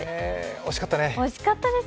惜しかったね。